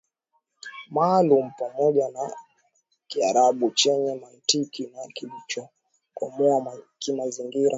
maalumu pamoja na Kiarabu chenye mantiki na kilichokomoa kimazingira